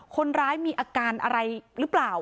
คนร้ายมีอาการอะไรหรือเปล่า